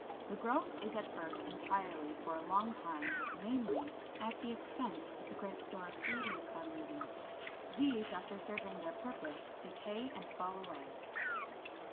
The growth is at first entirely, for a long time mainly, at the expense of the great store of food in the cotyledons. These, after serving their purpose, decay and fall away.